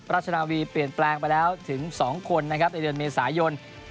ราชนาวีเปลี่ยนแปลงไปแล้วถึง๒คนนะครับในเดือนเมษายน